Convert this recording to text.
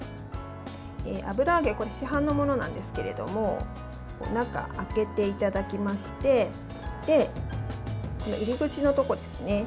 油揚げ、市販のものなんですが中を開けていただきまして入り口のところですね